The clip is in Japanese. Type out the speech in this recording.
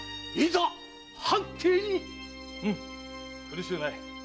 うむ苦しゅうない。